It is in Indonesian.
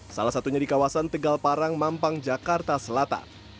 salah satunya di kawasan tegal parang mampang jakarta selatan